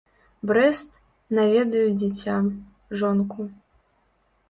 Брэст, наведаю дзіця, жонку.